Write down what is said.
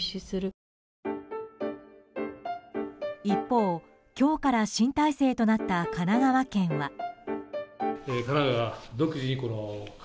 一方、今日から新体制となった神奈川県は。